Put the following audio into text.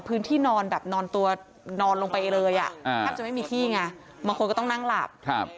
นอนแบบนอนตัวนอนลงไปเลยอ่ะอ่าแทบจะไม่มีที่ไงบางคนก็ต้องนั่งหลับครับ